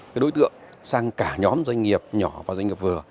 tự dựa sang cả nhóm doanh nghiệp nhỏ và doanh nghiệp vừa